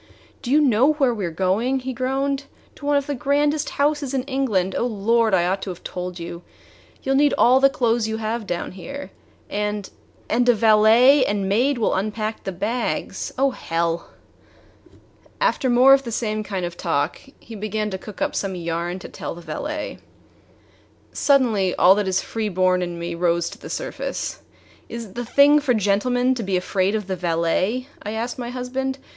"Do you know where we are going?" he groaned. "To one of the grandest houses in England! Oh, Lord! I ought to have told you. You 'll need all the clothes you have down here. And and a valet and maid will unpack the bags oh, hell!" After more of the same kind of talk, he began to cook up some yarn to tell the valet. Suddenly all that is free born in me rose to the surface. "Is it the thing for gentlemen to be afraid of the valet?" I asked my husband.